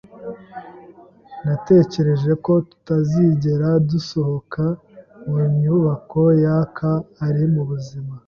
Natekereje ko tutazigera dusohoka mu nyubako yaka ari muzima.